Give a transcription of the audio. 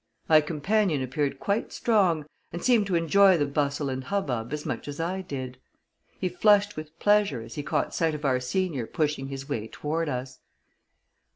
My companion appeared quite strong, and seemed to enjoy the bustle and hubbub as much as I did. He flushed with pleasure, as he caught sight of our senior pushing his way toward us.